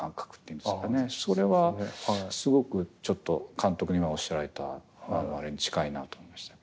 それはすごくちょっと監督が今おっしゃられたあれに近いなと思いました。